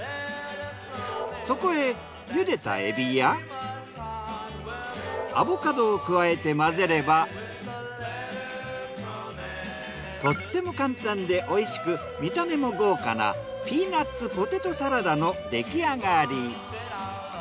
そこへゆでたエビやアボカドを加えて混ぜればとっても簡単でおいしく見た目も豪華なピーナッツポテトサラダの出来上がり。